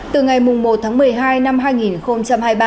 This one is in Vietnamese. từ ngày một tháng một mươi hai năm hai nghìn hai mươi ba